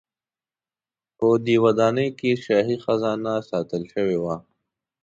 په دې ودانۍ کې شاهي خزانه ساتل شوې وه.